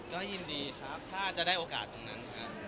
ก็ยินดีครับถ้าจะได้โอกาสตรงนั้นครับ